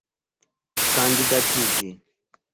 kandidatiĝi